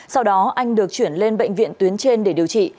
sau đó anh được chuyển lên bệnh viện tuyến trên để điều trị